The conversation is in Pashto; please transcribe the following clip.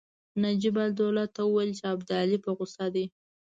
نجیب الدوله ته وویل چې ابدالي په غوسه دی.